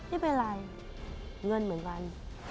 ไม่เป็นไรเงินเหมือนกัน